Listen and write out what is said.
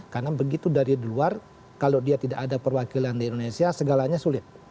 karena begitu dari luar kalau dia tidak ada perwakilan di indonesia segalanya sulit